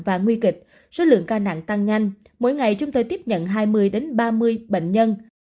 và nguy kịch số lượng ca nặng tăng nhanh mỗi ngày chúng tôi tiếp nhận hai mươi ba mươi bệnh nhân